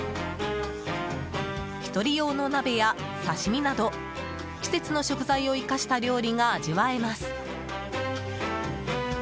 １人用の鍋や刺し身など季節の食材を生かした料理が味わえます。